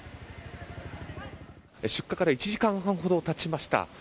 出火から１時間半ほど経ちました。